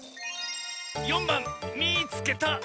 ４ばん「みいつけた！」。